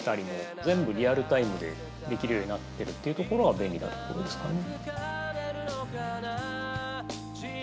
全部リアルタイムでできるようになってるっていうところが便利なところですかね。